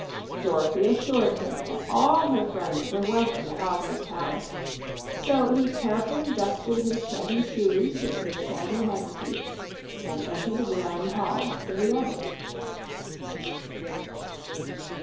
Dorothy assured him that all her friends were welcome at Ozma's palace, so he carefully dusted his shaggy shoes with his shaggy handkerchief and entered the grand hall after the others.